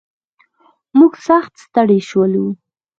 موږ سخت ستړي شولو.